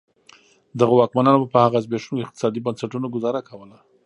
دغو واکمنانو په هغه زبېښونکو اقتصادي بنسټونو ګوزاره کوله.